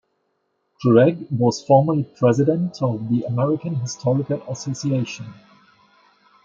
Craig was formerly President of the American Historical Association.